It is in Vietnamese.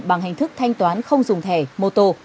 bằng hình thức thanh toán không dùng thẻ mô tô